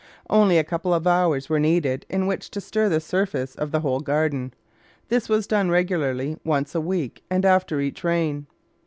Only a couple of hours were needed in which to stir the surface of the whole garden. This was done regularly once a week and after each rain.